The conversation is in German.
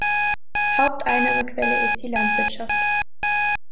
Haupteinnahmequelle ist die Landwirtschaft.